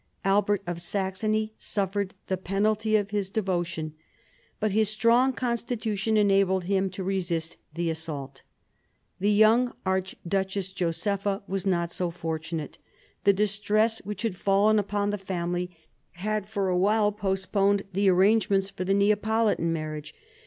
Albert of Saxony suffered the penalty of his devotion ; but his strong constitution enabled him to resist the assault. The young Archduchess Josepha was not so fortunate. The distress which had fallen upon the family had for a while postponed the arrangements for the Neapolitan marriage.